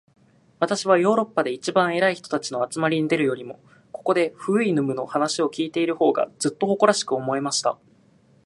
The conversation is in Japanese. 私はヨーロッパで一番偉い人たちの集まりに出るよりも、ここで、フウイヌムの話を開いている方が、ずっと誇らしく思えました。